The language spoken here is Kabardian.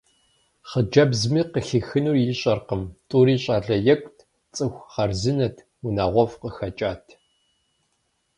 Хъыджэбзми къыхихынур ищӏэркъым: тӏури щӏалэ екӏут, цӏыху хъарзынэт, унагъуэфӏ къыхэкӏат.